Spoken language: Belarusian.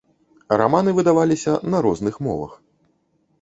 Раманы выдаваліся на розных мовах.